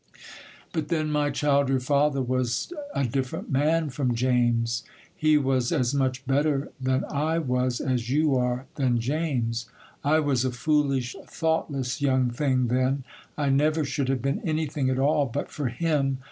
But then, my child, your father was a different man from James;—he was as much better than I was as you are than James. I was a foolish, thoughtless young thing then. I never should have been anything at all, but for him.